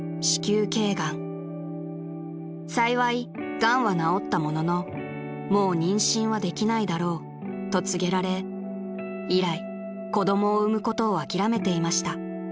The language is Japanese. ［幸いがんは治ったもののもう妊娠はできないだろうと告げられ以来子供を産むことを諦めていました］